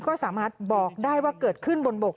ก็สามารถบอกได้ว่าเกิดขึ้นบนบก